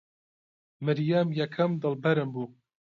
مەریەم یەکەم دڵبەرم بوو.